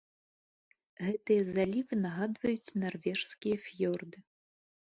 Гэтыя залівы нагадваюць нарвежскія фіёрды.